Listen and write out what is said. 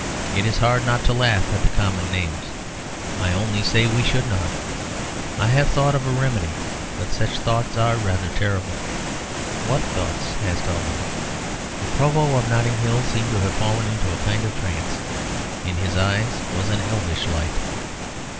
It is hard not to laugh at the common names I only say we should not. I have thought of a remedy; but such thoughts are rather terrible." "What thoughts?" asked Auberon. The Provost of Notting Hill seemed to have fallen into a kind of trance; in his eyes was an elvish light.